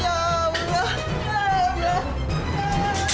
ya allah ya allah